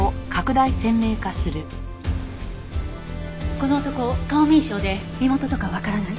この男顔認証で身元とかわからない？